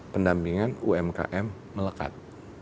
pendampingan umkm melekat